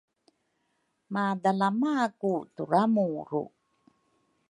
madalama ku turamuru